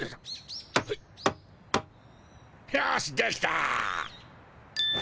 よしできた！